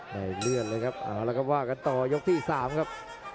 ได้เลื่อนเลยครับเอาละครับว่ากันต่อยกที่๓ครับ